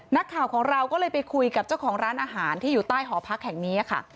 นักข่าวของเราก็เลยไปคุยกับเจ้าของร้านอาหารที่อยู่ใต้หอพักแห่งนี้ค่ะ